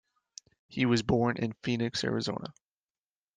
He was born in Phoenix, Arizona.